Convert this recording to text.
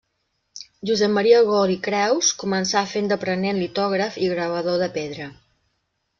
Josep Maria Gol i Creus començà fent d'aprenent litògraf i gravador de pedra.